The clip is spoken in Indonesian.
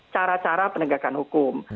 cara cara penegakan hukum